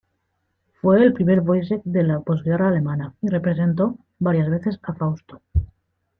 Fue el primer "Woyzeck" de la posguerra alemana, y representó varias veces a "Fausto".